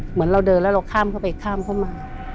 เหมือนเราเดินแล้วเราข้ามเข้าไปข้ามเข้ามา